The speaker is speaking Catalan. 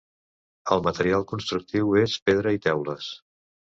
El material constructiu és pedra i teules.